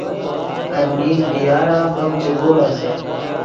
المین بی یار ام ڤیم چے بیورزے